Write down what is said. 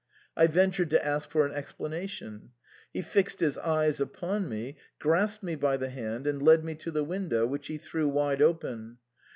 I ventured to ask for an explanation ; he fixed his eyes upon me, grasped me by the hand, and led me to the window, which he threw wide open.